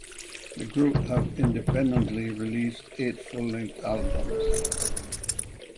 The group have independently released eight full length albums.